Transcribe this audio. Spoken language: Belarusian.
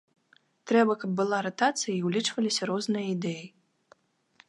Трэба, каб была ратацыя і ўлічваліся розныя ідэі.